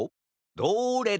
どれだ？